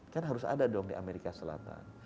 kan harus ada dong di amerika selatan